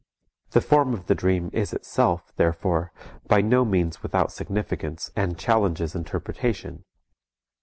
The form of the dream is itself, therefore, by no means without significance and challenges interpretation.